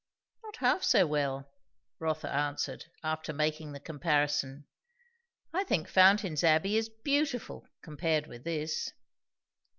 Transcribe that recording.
"Not half so well," Rotha answered, after making the comparison. "I think Fountain's Abbey is beautiful, compared with this."